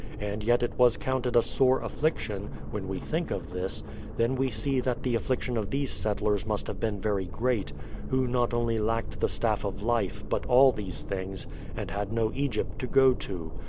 and yet it was counted a sore affliction; when we think of this, then we see that the affliction of these settlers must have been very great, who not only lacked the staff of life, but all these things, and had no Egypt to go to.